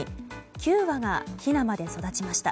９羽がひなまで育ちました。